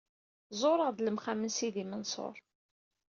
Ẓureɣ-d lemqam n Sidi Mensuṛ.